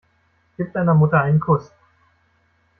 Gib deiner Mutter einen Kuss.